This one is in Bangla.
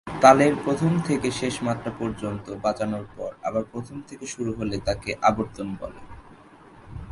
তালের প্রথম থেকে শেষ মাত্রা পর্যন্ত বাজানোর পর আবার প্রথম থেকে শুরু হলে তাকে আবর্তন বলে।